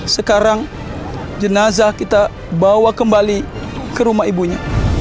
sekarang jenazah kita bawa kembali ke rumah ibunya